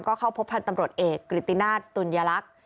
ก็เข้าพบพันธ์ตำรวจเอกกฤตินาศตุลยลักษณ์